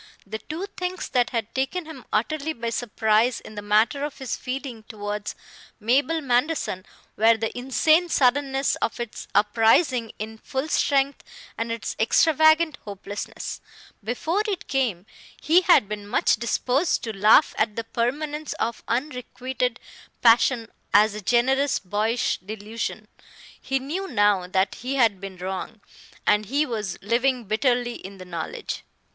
The two things that had taken him utterly by surprise in the matter of his feeling towards Mabel Manderson were the insane suddenness of its uprising in full strength and its extravagant hopelessness. Before it came, he had been much disposed to laugh at the permanence of unrequited passion as a generous boyish delusion. He knew now that he had been wrong, and he was living bitterly in the knowledge.